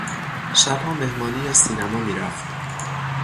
شبها مهمانی یا سینما میرفت.